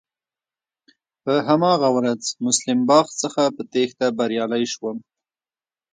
په هماغه ورځ مسلم باغ څخه په تېښته بريالی شوم.